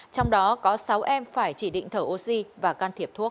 trong đó có sáu em phải chỉ định thở oxy và can thiệp thuốc